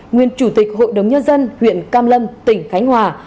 nguyên chủ tịch hội đồng nhân dân huyện cam lâm tỉnh khánh hòa